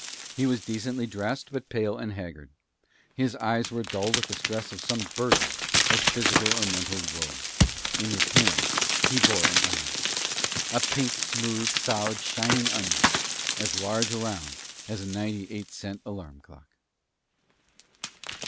He was decently dressed, but pale and haggard. His eyes were dull with the stress of some burden of physical or mental woe. In his hand he bore an onion a pink, smooth, solid, shining onion as large around as a ninety eight cent alarm clock.